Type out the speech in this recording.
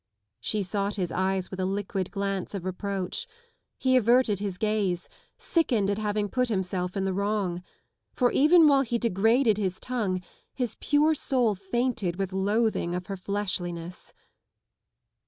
She sought his eyes with a liquid glance of reproach. He averted his gaze, sickened at having put himself in the wrong. For even while he degraded his tongue his pure soul fainted with loathing of her fleshliness.